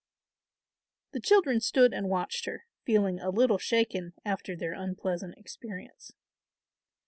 The children stood and watched her, feeling a little shaken after their unpleasant experience.